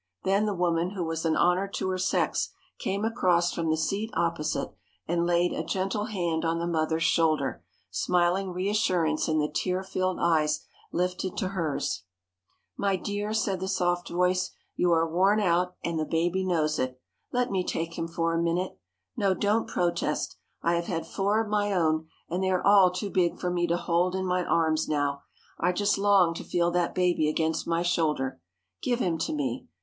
Then the woman who was an honor to her sex came across from the seat opposite, and laid a gentle hand on the mother's shoulder, smiling reassurance in the tear filled eyes lifted to hers. [Sidenote: TRUE COURTESY] "My dear," said the soft voice, "you are worn out, and the baby knows it. Let me take him for a minute. No, don't protest! I have had four of my own, and they are all too big for me to hold in my arms now. I just long to feel that baby against my shoulder! Give him to me!